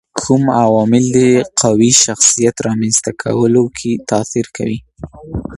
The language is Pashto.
کوم عوامل د قوي شخصيت رامنځته کولو کي تاثیر کوي؟